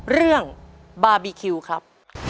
เรื่องบาร์บีคิวครับ